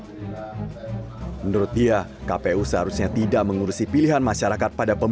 menurut dia kpu seharusnya tidak mengurusi pilihan masyarakat pada pemilu